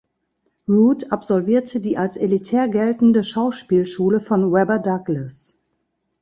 Root absolvierte die als elitär geltende Schauspielschule von Webber Douglas.